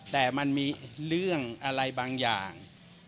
แต่มันมีเรื่องอะไรบางอย่าง